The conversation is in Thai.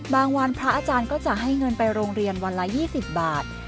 วันพระอาจารย์ก็จะให้เงินไปโรงเรียนวันละ๒๐บาท